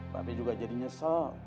pak be juga jadi nyesel